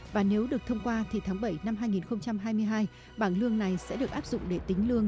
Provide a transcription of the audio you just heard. và nếu được thông qua thì tháng bảy năm hai nghìn hai mươi hai bảng lương này sẽ được áp dụng để tính lương